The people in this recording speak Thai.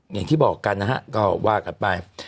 อย่างที่บอกกันนะฮะก็ว่ากันไป